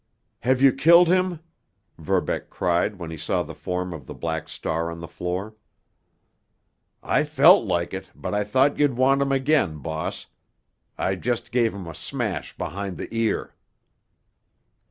"Have you killed him?" Verbeck cried when he saw the form of the Black Star on the floor. "I felt like it, but I thought you'd want him again, boss. I just gave him a smash behind the ear."